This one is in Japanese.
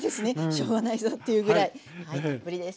しょうがないぞっていうぐらいたっぷりです。